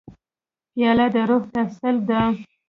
پیاله د روح تسل ده.